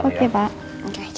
oke just do i make up ya